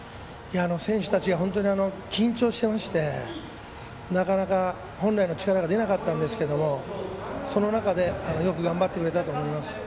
選手たちが本当に緊張していましてなかなか本来の力が出なかったんですけどもその中でよく頑張ってくれたと思います。